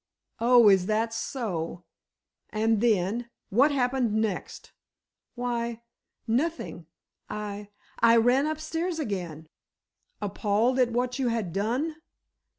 "Oh, is that so? And then—what happened next?" "Why—nothing. I—I ran upstairs again." "Appalled at what you had done?"